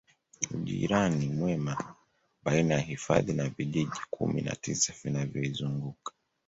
Ujirani mwema baina ya hifadhi na vijiji Kumi na tisa vinavyoizunguka